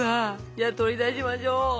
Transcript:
じゃあ取り出しましょう。